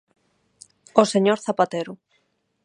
O señor Zapatero.